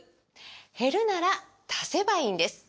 減るなら足せばいいんです！